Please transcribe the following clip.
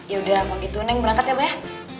yaudah kalau gitu neng berangkat ya bah